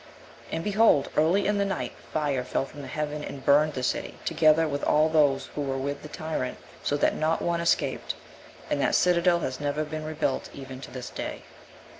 And, behold, early in the night, fire fell from heaven, and burned the city, together with all those who were with the tyrant, so that not one escaped; and that citadel has never been rebuilt even to this day.